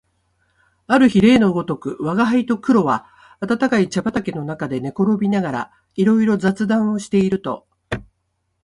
ある日例のごとく吾輩と黒は暖かい茶畠の中で寝転びながらいろいろ雑談をしていると、